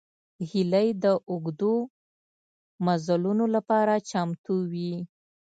هیلۍ د اوږدو مزلونو لپاره چمتو وي